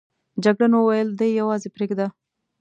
جګړن وویل دی یوازې پرېږده.